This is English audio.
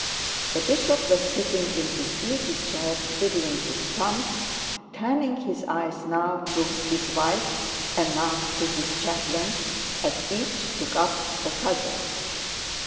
The bishop was sitting in his easy chair twiddling his thumbs, turning his eyes now to his wife, and now to his chaplain, as each took up the cudgels.